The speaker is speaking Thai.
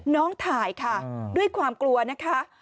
ถ่ายค่ะด้วยความกลัวนะคะ